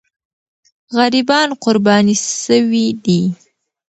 غریبان قرباني سوي دي.